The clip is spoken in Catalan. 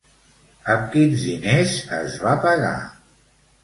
Amb quins diners es va pagar?